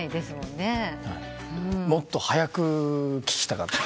もっと早く聞きたかった。